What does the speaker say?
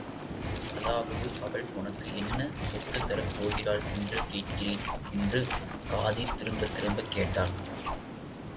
அதாவது அவள் உனக்கு என்ன சொத்து தரப் போகிறாள் என்று கேட்கிறேன் என்று காதி திரும்பத் திரும்பக் கேட்டார்.